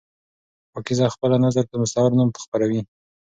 پاکیزه خپل نظر په مستعار نوم خپروي.